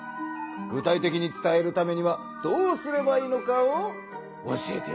具体的に伝えるためにはどうすればいいのかを教えてやろう。